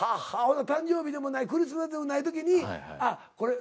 ほな誕生日でもないクリスマスでもない時にあっこれ。